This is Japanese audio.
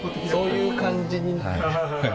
そういう感じに。